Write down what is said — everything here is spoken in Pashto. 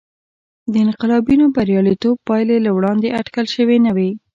د انقلابینو بریالیتوب پایلې له وړاندې اټکل شوې نه وې.